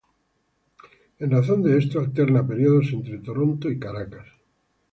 En razón de esto, alterna períodos entre Toronto y Caracas.